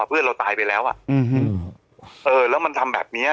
เพื่อนเราตายไปแล้วแล้วมันทำแบบนี้